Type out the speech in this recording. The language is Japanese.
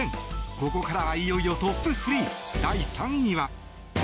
ここからはいよいよトップ３第３位は。